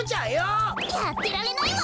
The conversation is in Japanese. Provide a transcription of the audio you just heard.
やってられないわ！